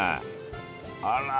あら！